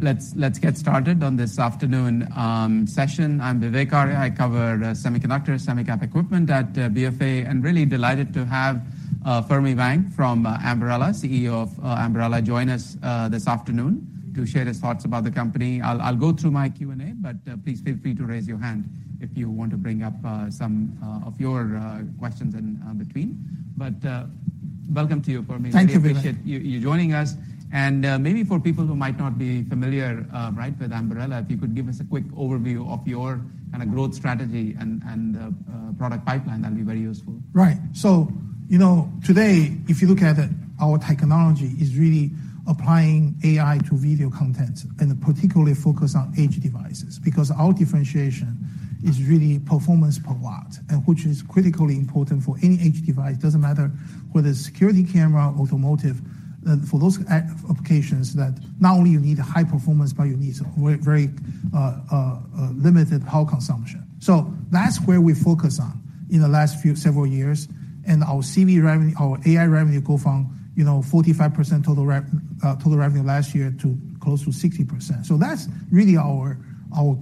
Let's get started on this afternoon session. I'm Vivek Arya. I cover Semiconductors, Semi-cap Equipment at BofA, and really delighted to have Fermi Wang from Ambarella, CEO of Ambarella, join us this afternoon to share his thoughts about the company. I'll go through my Q&A, but please feel free to raise your hand if you want to bring up some of your questions in between. Welcome to you, Fermi. Thank you, Vivek. We appreciate you joining us, and maybe for people who might not be familiar, right, with Ambarella, if you could give us a quick overview of your kind of growth strategy and product pipeline, that'd be very useful. Right. you know, today, if you look at it, our technology is really applying AI to video content, and particularly focused on edge devices, because our differentiation is really performance per watt, and which is critically important for any edge device. Doesn't matter whether it's security camera, automotive, for those applications that not only you need high performance, but you need very limited power consumption. That's where we focus on in the last few several years, and our CV revenue, our AI revenue go from, you know, 45% total revenue last year to close to 60%. That's really our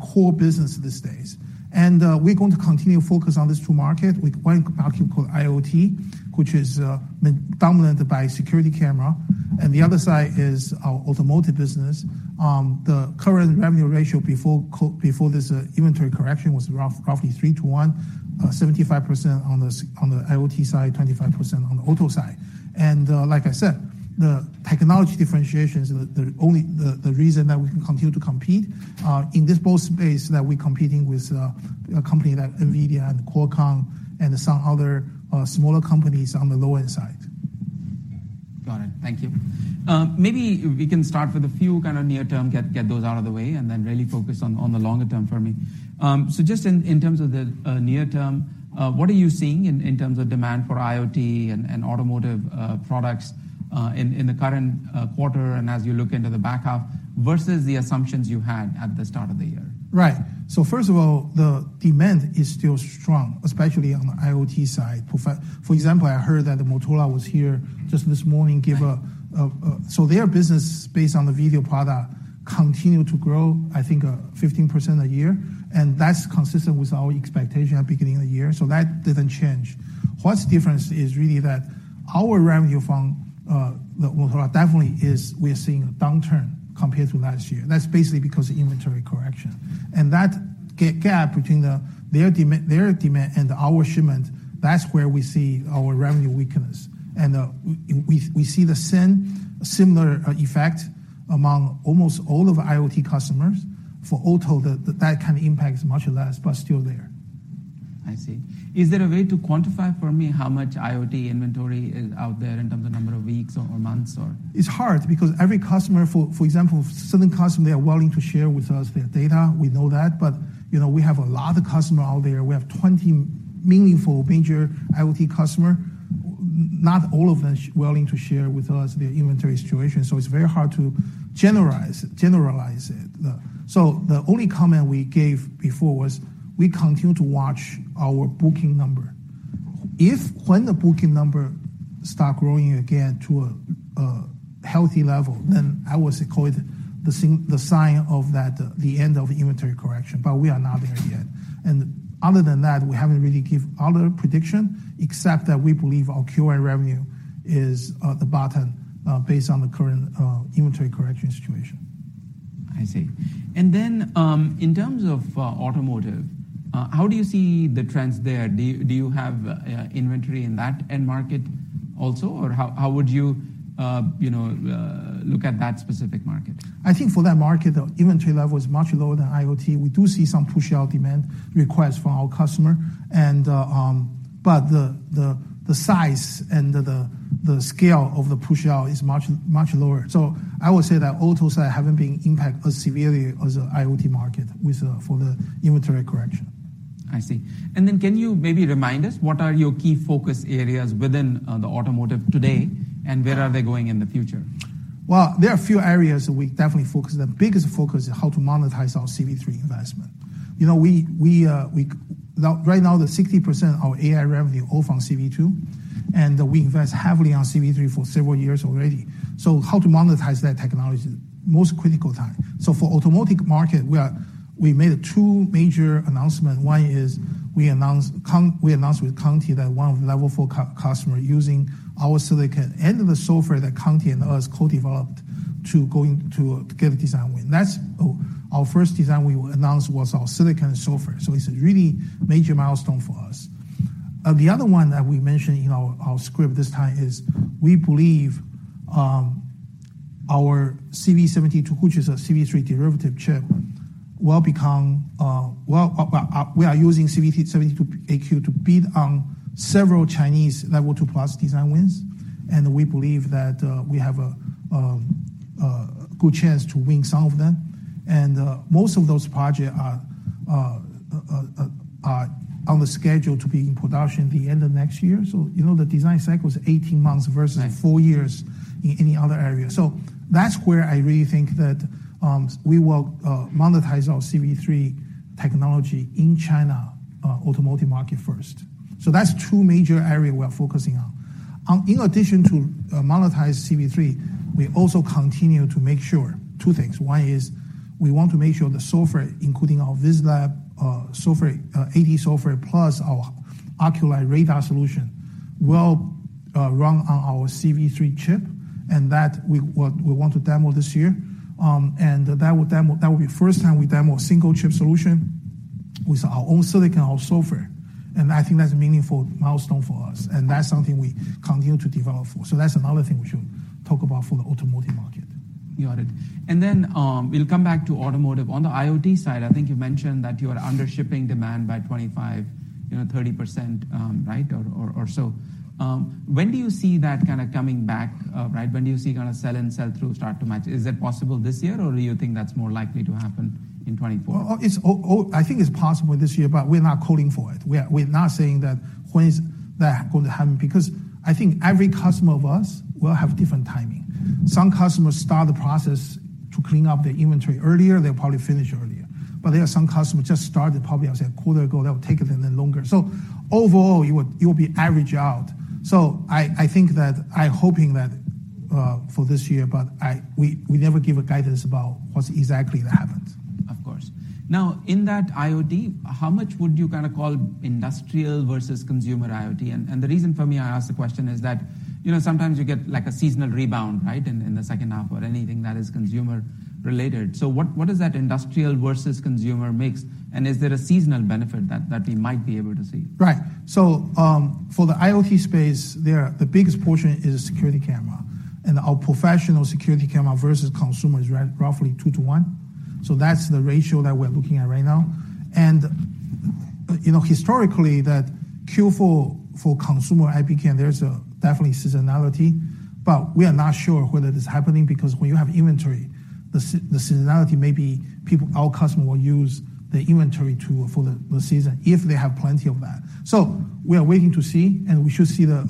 core business these days. We're going to continue to focus on these two market with one market called IoT, which is dominant by security camera, and the other side is our automotive business. The current revenue ratio before this inventory correction was roughly 3-1, 75% on the IoT side, 25% on the auto side. Like I said, the technology differentiation is the only reason that we can continue to compete in this both space that we're competing with a company like NVIDIA and Qualcomm and some other smaller companies on the low-end side. Got it. Thank you. Maybe we can start with a few kind of near-term, get those out of the way, and then really focus on the longer-term Fermi. Just in terms of the near-term, what are you seeing in terms of demand for IoT and automotive products in the current quarter and as you look into the back half versus the assumptions you had at the start of the year? Right. First of all, the demand is still strong, especially on the IoT side. For example, I heard that Mobileye was here just this morning, give a. Their business, based on the video product, continued to grow, I think, 15% a year, that's consistent with our expectation at beginning of the year, that didn't change. What's different is really that our revenue from Mobileye, definitely is we're seeing a downturn compared to last year, that's basically because of inventory correction. That gap between their demand and our shipment, that's where we see our revenue weakness. We see the same similar effect among almost all of our IoT customers. For auto, that kind of impact is much less, but still there. I see. Is there a way to quantify for me how much IoT inventory is out there in terms of number of weeks or months or? It's hard because every customer, for example, certain customer, they are willing to share with us their data. We know that, but, you know, we have a lot of customer out there. We have 20 meaningful major IoT customer, not all of them willing to share with us their inventory situation, so it's very hard to generalize it. The only comment we gave before was we continue to watch our booking number. If when the booking number start growing again to a healthy level, then I will say, call it the sign of that, the end of inventory correction, but we are not there yet. Other than that, we haven't really give other prediction, except that we believe our CY revenue is the bottom, based on the current inventory correction situation. I see. In terms of automotive, how do you see the trends there? Do you have inventory in that end market also, or how would you know, look at that specific market? I think for that market, the inventory level is much lower than IoT. We do see some pushout demand requests from our customer and, but the size and the scale of the pushout is much lower. I would say that auto side haven't been impacted as severely as the IoT market with for the inventory correction. I see. Can you maybe remind us, what are your key focus areas within the automotive today, and where are they going in the future? There are a few areas that we definitely focus. The biggest focus is how to monetize our CV3 investment. You know, Right now, the 60% of our AI revenue all from CV2, and we invest heavily on CV3 for several years already. How to monetize that technology, most critical time. For automotive market, we made twomajor announcement. One is we announced with Conti that one of Level 4 customer using our silicon and the software that Conti and us co-developed to going to give design win. That's our first design we announced was our silicon and software, so it's a really major milestone for us. The other one that we mentioned in our script this time is we believe our CV72, which is a CV3 derivative chip, will become. Well, we are using CV72AQ to bid on several Chinese Level 2+ design wins. We believe that we have a good chance to win some of them. Most of those project are on the schedule to be in production at the end of next year. You know, the design cycle is 18 months versus-. Right Four years in any other area. That's where I really think that, we will monetize our CV3 technology in China automotive market first. That's two major area we are focusing on. In addition to monetize CV3, we also continue to make sure two things. One is we want to make sure the software, including our VisLab software, AD software, plus our Oculii radar solution, will run on our CV3 chip, and that we, what we want to demo this year. That would be first time we demo a single chip solution with our own silicon, our software, and I think that's a meaningful milestone for us, and that's something we continue to develop for. That's another thing we should talk about for the automotive market. You got it. We'll come back to automotive. On the IoT side, I think you mentioned that you are under shipping demand by 2025, you know, 30% or so. When do you see that kind of coming back? When do you see kind of sell-in and sell through start to match? Is it possible this year, or do you think that's more likely to happen in 2024? Well, I think it's possible this year, but we're not coding for it. We're not saying that when is that going to happen, because I think every customer of us will have different timing. Mm. Some customers start the process to clean up their inventory earlier, they'll probably finish earlier. There are some customers just started, probably, I would say, a quarter ago, that will take it even longer. Overall, it will be average out. I think that. I'm hoping that for this year, but we never give a guidance about what's exactly that happens. Of course. In that IoT, how much would you kind of call industrial versus consumer IoT? The reason for me, I ask the question is that, you know, sometimes you get, like, a seasonal rebound, right? In the second half or anything that is consumer-related. What is that industrial versus consumer mix, and is there a seasonal benefit that we might be able to see? Right. For the IoT space there, the biggest portion is a security camera, and our professional security camera versus consumer is roughly 2 to 1. That's the ratio that we're looking at right now. You know, historically, that Q4 for consumer IP cam, there's a definitely seasonality, but we are not sure whether it's happening because when you have inventory, the seasonality may be our customer will use the inventory tool for the season if they have plenty of that. We are waiting to see, and we should see the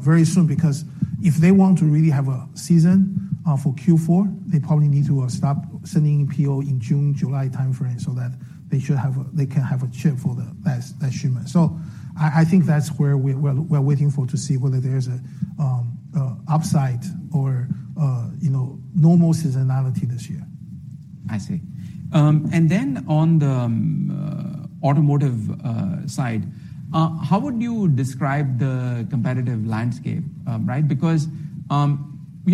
very soon, because if they want to really have a season for Q4, they probably need to stop sending PO in June, July timeframe so that they should have a. They can have a chip for the last shipment. I think that's where we're waiting for to see whether there's a upside or, you know, normal seasonality this year. I see. On the Automotive side, how would you describe the competitive landscape? You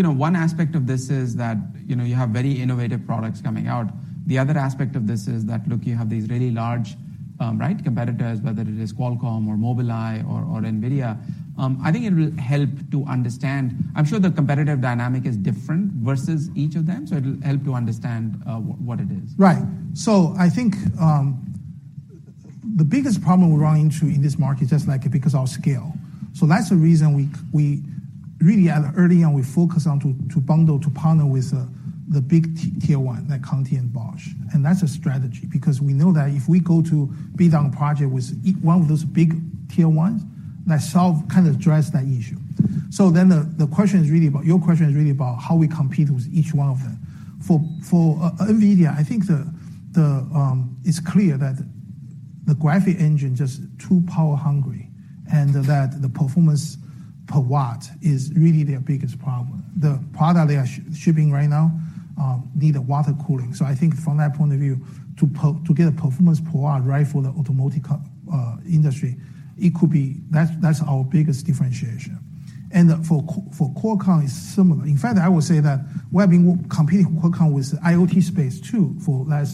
know, one aspect of this is that, you know, you have very innovative products coming out. The other aspect of this is that, you have these really large competitors, whether it is Qualcomm or Mobileye or NVIDIA. I think it will help to understand. I'm sure the competitive dynamic is different versus each of them, so it'll help to understand what it is. Right. I think the biggest problem we run into in this market is just like because our scale. That's the reason we really, at the early on, we focus on to bundle, to partner with the big Tier 1, like Conti and Bosch. That's a strategy because we know that if we go to bid on a project with one of those big Tier 1s, that solve, kind of address that issue. Your question is really about how we compete with each one of them. For NVIDIA, I think it's clear that the graphic engine just too power hungry, and that the performance per watt is really their biggest problem. The product they are shipping right now, need a water cooling. I think from that point of view, to get a performance per watt right for the automotive industry, it could be. That's our biggest differentiation. For Qualcomm is similar. In fact, I would say that we have been competing Qualcomm with IoT space, too. Right...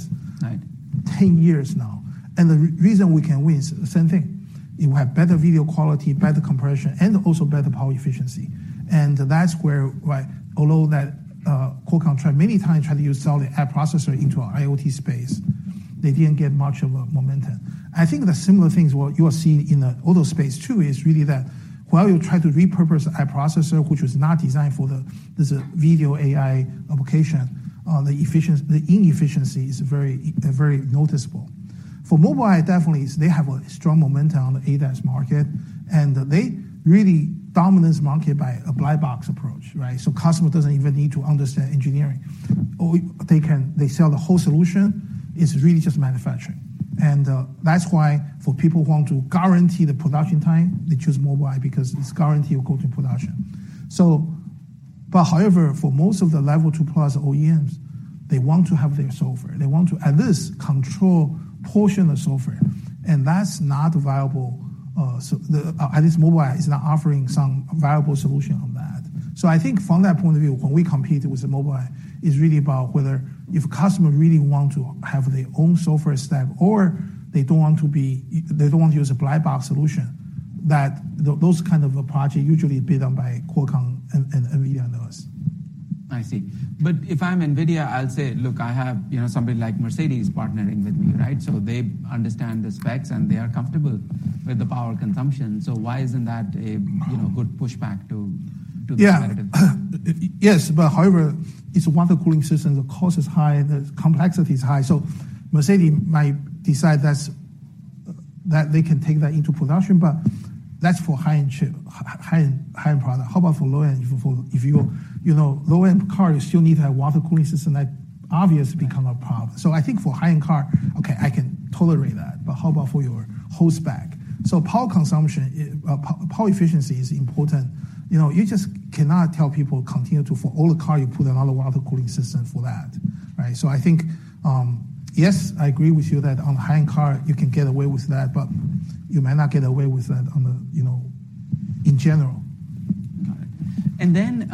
10 years now, the reason we can win is the same thing. You have better video quality, better compression, and also better power efficiency. That's where although that Qualcomm many times tried to sell the AI processor into our IoT space, they didn't get much of a momentum. I think the similar things what you are seeing in the auto space, too, is really that while you try to repurpose AI processor, which was not designed for the video AI application, the inefficiency is very noticeable. For Mobileye, definitely, they have a strong momentum on the ADAS market, and they really dominance market by a black box approach, right? Customer doesn't even need to understand engineering, or they sell the whole solution. It's really just manufacturing. That's why, for people who want to guarantee the production time, they choose Mobileye, because it's guarantee of go to production. However, for most of the Level 2+ OEMs, they want to have their software. They want to at least control portion of the software, and that's not viable. At least Mobileye is not offering some viable solution on that. I think from that point of view, when we compete with the Mobileye, it's really about whether if customer really want to have their own software stack, or they don't want to be, they don't want to use a black box solution, that those kind of approach are usually bid on by Qualcomm and NVIDIA and us. I see. If I'm NVIDIA, I'll say, Look, I have, you know, somebody like Mercedes partnering with me, right? They understand the specs, and they are comfortable with the power consumption. Why isn't that a, you know, good pushback to the competitive- Yeah. Yes, but however, its water cooling system, the cost is high, the complexity is high. Mercedes might decide that they can take that into production, but that's for high-end chip, high-end product. How about for low-end? If you know, low-end cars, you still need to have water cooling system, that obvious become a problem. I think for high-end car, okay, I can tolerate that, but how about for your whole stack. Power consumption, power efficiency is important. You know, you just cannot tell people, Continue to for all the car, you put another water cooling system for that, right? I think, yes, I agree with you that on high-end car, you can get away with that, but you may not get away with that on the, you know, in general. Got it. Then,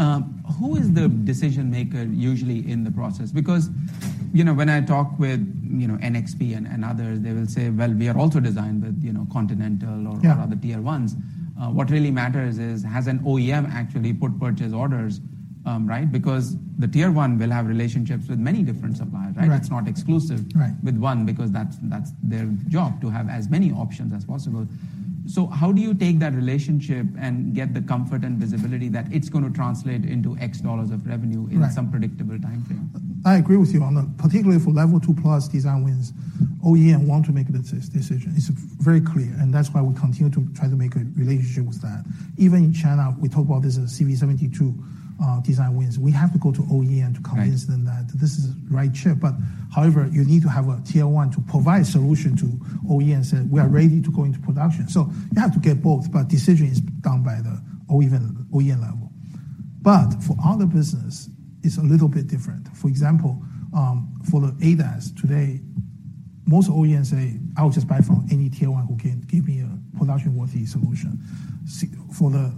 who is the decision maker usually in the process? Because, you know, when I talk with, you know, NXP and others, they will say, Well, we are also designed with, you know, Continental or- Yeah other Tier 1s." What really matters is, has an OEM actually put purchase orders, right? The Tier 1 will have relationships with many different suppliers, right? Right. It's not exclusive- Right With one, because that's their job, to have as many options as possible. How do you take that relationship and get the comfort and visibility that it's gonna translate into X dollars of revenue? Right in some predictable time frame? I agree with you on that. Particularly for Level 2+ design wins, OEM want to make the decision. That's why we continue to try to make a relationship with that. Even in China, we talk about this as a CV72 design wins. We have to go to OEM to convince them. Right hat this is the right chip. However, you need to have a Tier 1 to provide solution to OEMs, and we are ready to go into production. You have to get both, but decision is done by the OEM level. For other business, it's a little bit different. For example, for the ADAS, today, most OEMs say, I'll just buy from any Tier 1 who can give me a production-worthy solution." For the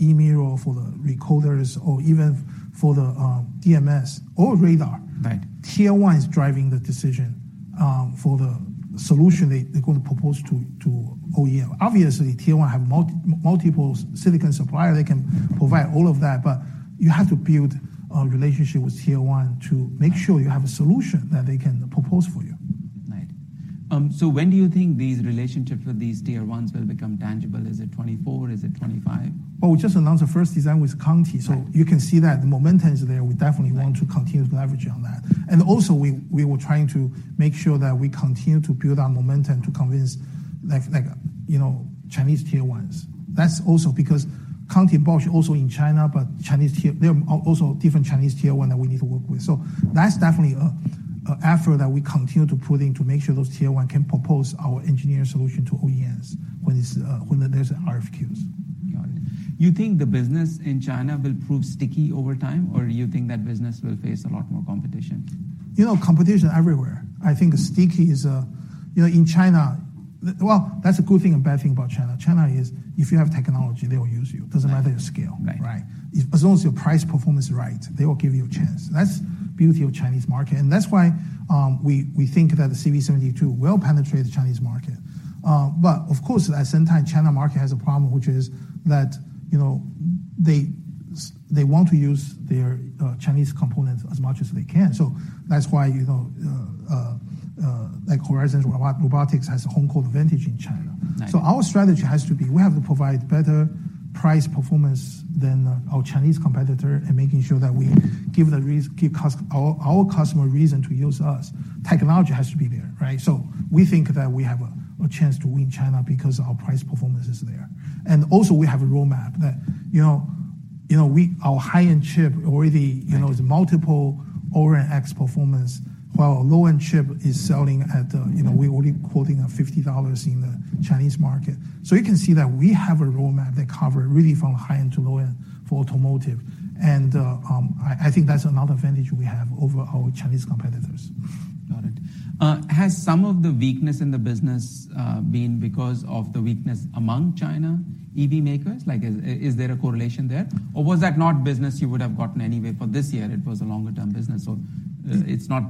e-mirror or for the recorders or even for the DMS or radar. Right Tier 1 is driving the decision for the solution they're going to propose to OEM. Obviously, Tier 1 have multiple silicon supplier. They can provide all of that, but you have to build a relationship with Tier 1 to make sure you have a solution that they can propose for you. Right. When do you think these relationships with these Tier 1s will become tangible? Is it 2024? Is it 2025? Well, we just announced the first design with Conti. Right. You can see that the momentum is there. Right Want to continue to leverage on that. Also, we were trying to make sure that we continue to build our momentum to convince, like, you know, Chinese Tier 1s. That's also because Continental, Bosch, also in China, but Chinese tier, there are also different Chinese Tier 1 that we need to work with. That's definitely a effort that we continue to put in to make sure those Tier 1 can propose our engineering solution to OEMs when it's, when there's RFQs. Got it. You think the business in China will prove sticky over time, or you think that business will face a lot more competition? You know, competition everywhere. I think sticky is a you know, in China, well, that's a good thing and bad thing about China. China is, if you have technology, they will use you. Right. Doesn't matter your scale. Right. Right. As long as your price performance is right, they will give you a chance. That's beauty of Chinese market. That's why, we think that the CV72 will penetrate the Chinese market. Of course, at the same time, China market has a problem, which is that, you know, they want to use their Chinese components as much as they can. That's why, you know, like, Horizon Robotics has a home court advantage in China. Right. Our strategy has to be, we have to provide better price performance than our Chinese competitor, and making sure that we give our customer a reason to use us. Technology has to be there, right? We think that we have a chance to win China because our price performance is there. Also, we have a roadmap that, you know, you know, our high-end chip already Right You know, is multiple over an X performance, while our low-end chip is selling at, you know, we're only quoting a $50 in the Chinese market. You can see that we have a roadmap that cover really from high-end to low-end for automotive, and I think that's another advantage we have over our Chinese competitors. Got it. Has some of the weakness in the business been because of the weakness among China EV makers? Like, is there a correlation there, or was that not business you would have gotten anyway for this year? It was a longer-term business it's not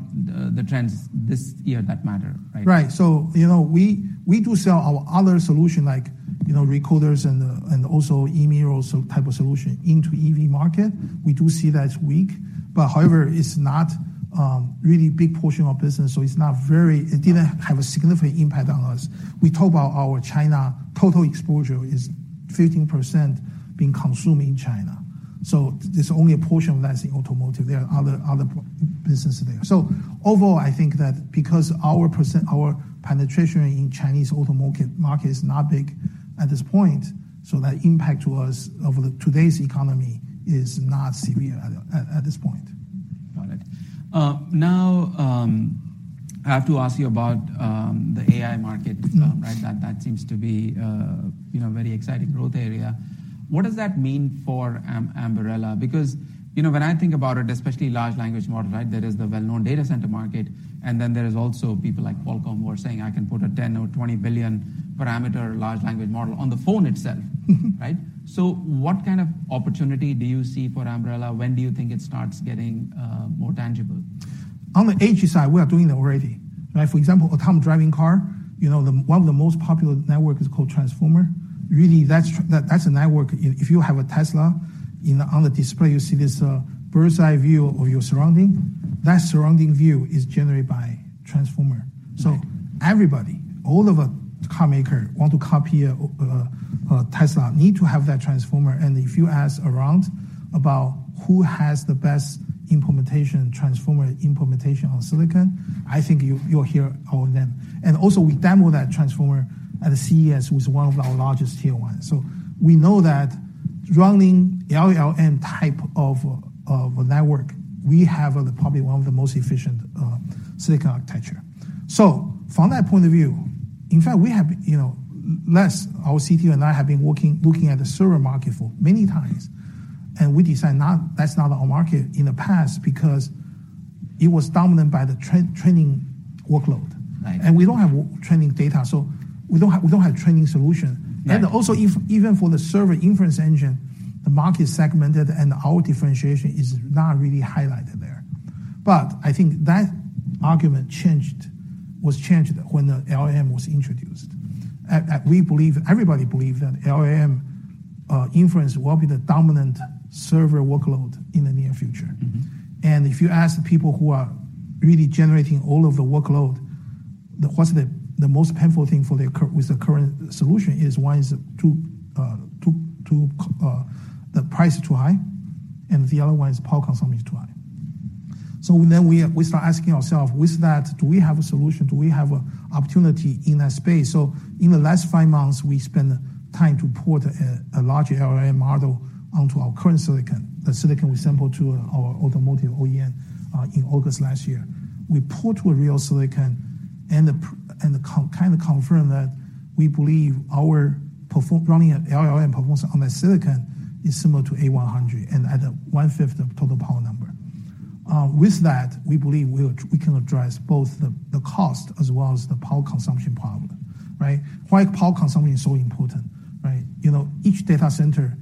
the trends this year that matter, right? Right. You know, we do sell our other solution like, you know, recorders and also e-mirror, so type of solution into EV market. We do see that's weak, however, it's not really big portion of business. Right It didn't have a significant impact on us. We talk about our China total exposure is 15% being consumed in China, there's only a portion of that is in automotive. There are other business there. Overall, I think that because our penetration in Chinese auto market is not big at this point, that impact to us of the today's economy is not severe at this point. Got it. Now, I have to ask you about the AI market. Right? That seems to be, you know, a very exciting growth area. What does that mean for Ambarella? Because, you know, when I think about it, especially large language model, right, there is the well-known data center market, and then there is also people like Qualcomm, who are saying, I can put a 10 or 20 billion parameter large language model on the phone itself. Right? What kind of opportunity do you see for Ambarella? When do you think it starts getting more tangible? On the edge side, we are doing that already, right? For example, autonomous driving car, you know, one of the most popular network is called Transformer. Really, that's a network. If you have a Tesla, on the display, you see this bird's-eye view of your surrounding. That surrounding view is generated by Transformer. Right. Everybody, all of the car maker want to copy Tesla, need to have that Transformer. If you ask around about who has the best implementation, Transformer implementation on silicon, I think you'll hear our name. Also, we demo that Transformer at a CES with one of our largest Tier 1s. We know that running LLM type of network, we have the probably one of the most efficient silicon architecture. From that point of view, in fact, we have, you know, less our CTO and I have been working, looking at the server market for many times, and we decide not, that's not our market in the past, because it was dominant by the training workload. Right. We don't have training data, so we don't have training solution. Yeah. Also, even for the server inference engine, the market is segmented, and our differentiation is not really highlighted there. I think that argument was changed when the LLM was introduced. Everybody believed that LLM inference will be the dominant server workload in the near future. If you ask the people who are really generating all of the workload, what's the most painful thing for the current solution is the price is too high, and the other one is power consumption is too high. We start asking ourselves, with that, do we have a solution? Do we have a opportunity in that space? In the last five months, we spent time to port a large LLM model onto our current silicon. The silicon we sample to our automotive OEM in August last year. We port to a real silicon, and kind of confirm that we believe Running an LLM performance on the silicon is similar to A100 and at a 1/5 of total power number. With that, we believe we can address both the cost as well as the power consumption problem, right? Why power consumption is so important, right? You know, each data center,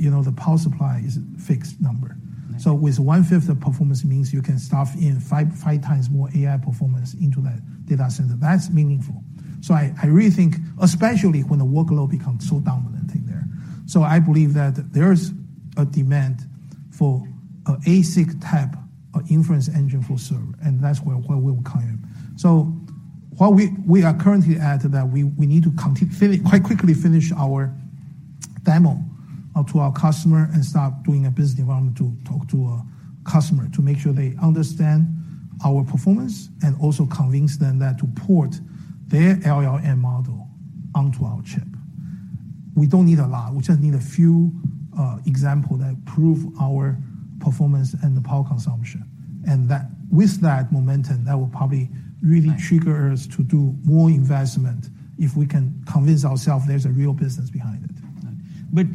you know, the power supply is a fixed number. Right. With 1/5of performance means you can stuff in 5 times more AI performance into that data center. That's meaningful. I really think, especially when the workload becomes so dominant in there. I believe that there's a demand for a ASIC type of inference engine for server, and that's where we'll come in. Where we are currently at, that we need to finish, quite quickly finish our demo to our customer and start doing a business development to talk to a customer to make sure they understand our performance and also convince them that to port their LLM model onto our chip. We don't need a lot. We just need a few example that prove our performance and the power consumption, and that. With that momentum, that will probably really. Right Trigger us to do more investment if we can convince ourselves there's a real business behind it.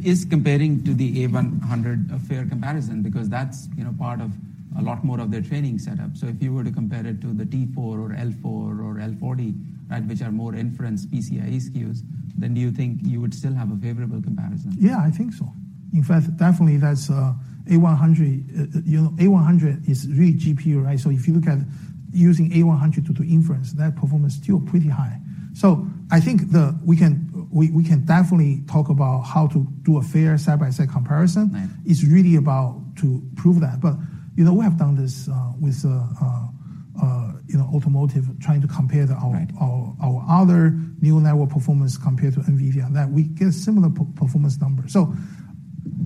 Is comparing to the A100 a fair comparison? That's, you know, part of a lot more of their training setup. If you were to compare it to the L4 or L40, right, which are more inference PCIE SKUs, do you think you would still have a favorable comparison? Yeah, I think so. In fact, definitely, that's A100, you know, A100 is really GPU, right? If you look at using A100 to inference, that performance is still pretty high. I think we can definitely talk about how to do a fair side-by-side comparison. Right. It's really about to prove that. You know, we have done this, with, you know, automotive trying to compare. Right our other new network performance compared to NVIDIA, that we get similar performance numbers.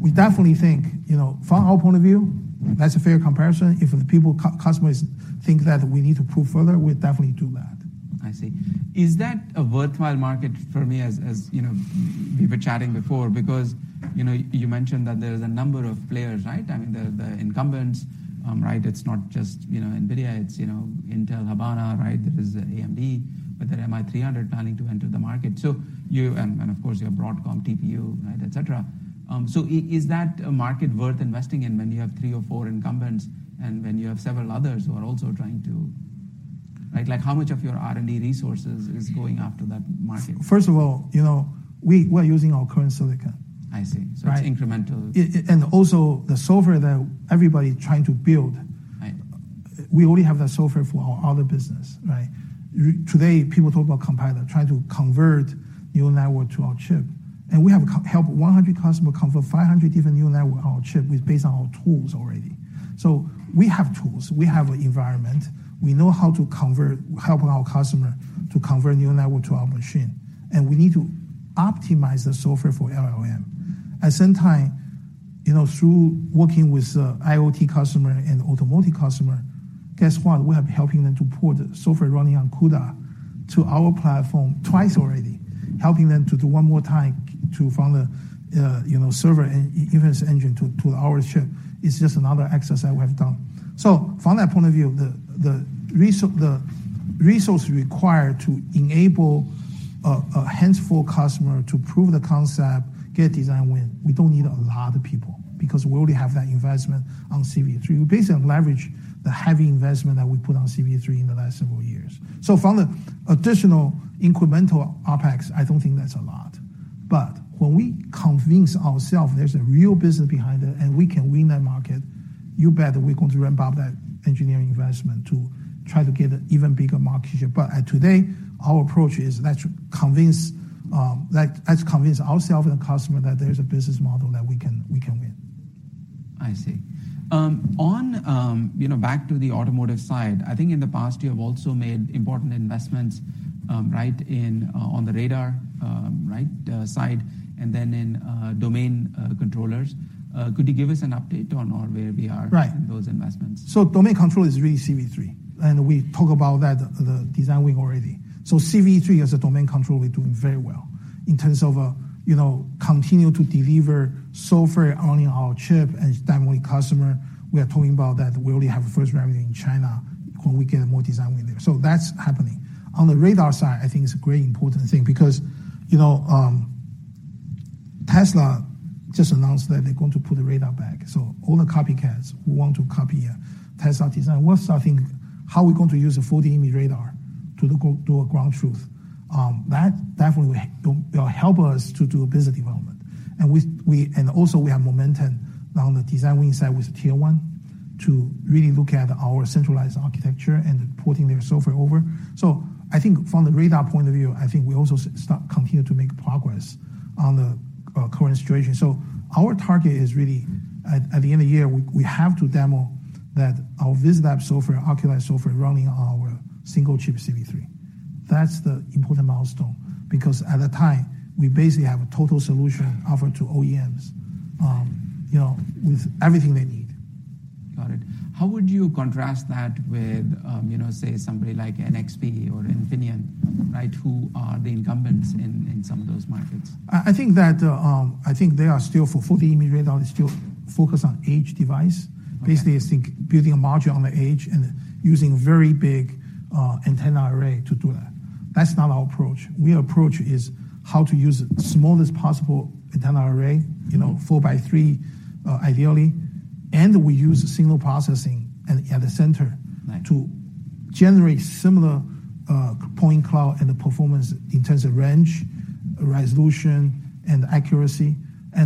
We definitely think, you know, from our point of view, that's a fair comparison. If the people, customers think that we need to prove further, we'll definitely do that. I see. Is that a worthwhile market for me as, you know, we were chatting before? You know, you mentioned that there's a number of players, right? I mean, the incumbents, right, it's not just, you know, NVIDIA, it's, you know, Intel, Habana Labs, right? There is AMD with their MI300 planning to enter the market. You and, of course, you have Broadcom, TPU, right, et cetera. Is that a market worth investing in when you have 3 or 4 incumbents, and when you have several others who are also trying to... Right? Like, how much of your R&D resources is going after that market? First of all, you know, we're using our current silicon. I see. Right? It's incremental. Yeah, and also the software that everybody trying to build- Right We already have that software for our other business, right? Today, people talk about compiler, trying to convert neural network to our chip, and we have helped 100 customer convert 500 different neural network on our chip with based on our tools already. We have tools, we have an environment. We know how to convert, help our customer to convert neural network to our machine, and we need to optimize the software for LLM. At the same time, you know, through working with the IoT customer and automotive customer, guess what? We have been helping them to port software running on CUDA to our platform twice already, helping them to do one more time to run the, you know, server and inference engine to our chip. It's just another exercise that we have done. From that point of view, the resource required to enable a handful customer to prove the concept, get design win, we don't need a lot of people because we already have that investment on CV3. We basically leverage the heavy investment that we put on CV3 in the last several years. From the additional incremental OpEx, I don't think that's a lot. When we convince ourself there's a real business behind it, and we can win that market, you bet that we're going to ramp up that engineering investment to try to get an even bigger market share. As today, our approach is let's convince ourself and the customer that there's a business model that we can win. I see. On, you know, back to the automotive side, I think in the past, you have also made important investments, right, in, on the radar, right, side, and then in, domain, controllers. Could you give us an update on where we are? Right in those investments? Domain control is really CV3, and we talk about that, the design win already. CV3, as a domain control, we're doing very well in terms of, you know, continue to deliver software only on our chip and demoing customer. We are talking about that we already have a first revenue in China when we get more design win there. That's happening. On the radar side, I think it's a very important thing because, you know, Tesla just announced that they're going to put the radar back, so all the copycats who want to copy Tesla design. We're starting how we're going to use a 4D imaging radar to a ground truth. That definitely will help us to do a business development. We and also we have momentum now on the design win side with Tier 1 to really look at our centralized architecture and porting their software over. I think from the radar point of view, I think we also start continue to make progress on the current situation. Our target is really at the end of the year, we have to demo that our VisLab software, Oculii software, running on our single chip CV3. That's the important milestone, because at that time, we basically have a total solution offered to OEMs, you know, with everything they need. Got it. How would you contrast that with, you know, say, somebody like NXP or Infineon, right, who are the incumbents in some of those markets? I think they are still for 4D imaging radar, they still focus on edge device. Right. Basically, I think, building a module on the edge and using very big antenna array to do that. That's not our approach. Our approach is how to use the smallest possible antenna array, you know, 4 by 3, ideally, and we use signal processing at the center. Right To generate similar, point cloud and the performance in terms of range, resolution, and accuracy.